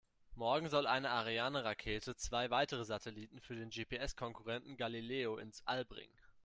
Morgen soll eine Ariane-Rakete zwei weitere Satelliten für den GPS-Konkurrenten Galileo ins All bringen.